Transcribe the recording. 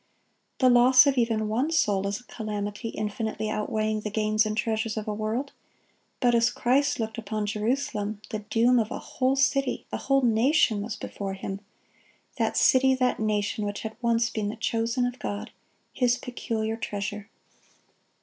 The loss of even one soul is a calamity infinitely outweighing the gains and treasures of a world; but as Christ looked upon Jerusalem, the doom of a whole city, a whole nation, was before Him,—that city, that nation, which had once been the chosen of God, His peculiar treasure.